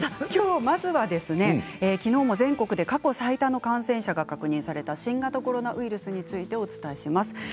きょう、まずはきのうも全国で過去最多の感染者が確認された新型コロナウイルスについてお伝えします。